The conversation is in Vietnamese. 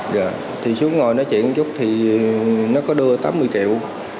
dạ thì xuống ngồi nói chuyện chút thì nó có đưa tám mươi triệu